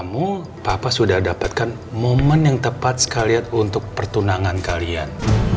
pada ulang tahun kamu papa sudah dapatkan momen yang tepat sekali untuk pertunangan kalian